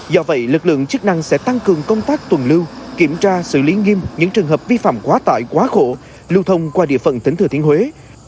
do vậy lực lượng chức năng sẽ tăng cường công tác tuần lưu kiểm tra xử lý nghiêm những trường hợp vi phạm quá tải quá khổ lưu thông qua địa phận tỉnh thừa thiên huế